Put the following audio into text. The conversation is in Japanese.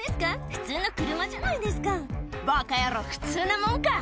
普通の車じゃないですか「バカ野郎普通なもんか」